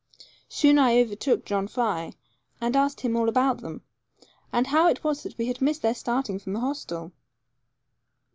Soon I overtook John Fry, and asked him all about them, and how it was that we had missed their starting from the hostel.